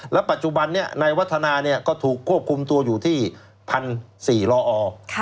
และปัจจุบันนี้ในวัฒนาก็ถูกควบคุมตัวอยู่ที่พันธุ์สี่ล้ออ